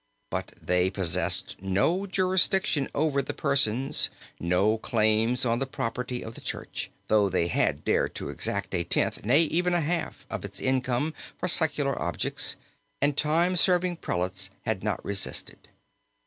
But they possessed no jurisdiction over the persons, no claims on the property of the church, though they had dared to exact a tenth, nay, even a half, of its income for secular objects, and time serving prelates had not resisted.